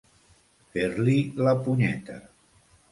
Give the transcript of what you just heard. Fer-li la punyeta.